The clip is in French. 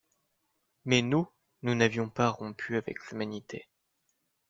Mais nous, nous n'avions pas rompu avec l'humanité.